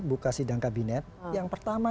buka sidang kabinet yang pertama